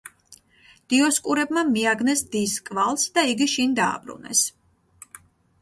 დიოსკურებმა მიაგნეს დის კვალს და იგი შინ დააბრუნეს.